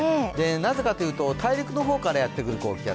なぜかというと、大陸の方からやってくる高気圧。